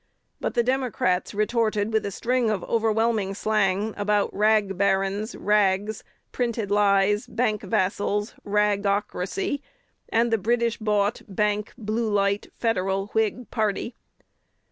But the Democrats retorted with a string of overwhelming slang about rag barons, rags, printed lies, bank vassals, ragocracy, and the "British bought, bank, blue light, Federal, Whig party."